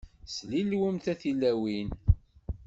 Slilwemt a tilawin.